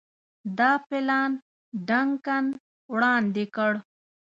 دا پلان ډنکن وړاندي کړ.